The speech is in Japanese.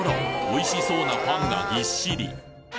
おいしそうなパンがギッシリ！